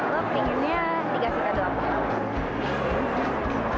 lo pinginnya dikasih kado apa